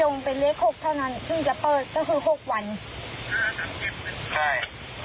ต้อง๖วันที่จะเปิดไทย